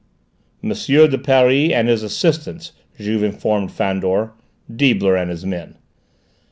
"Monsieur de Paris and his assistants," Juve informed Fandor: "Deibler and his men."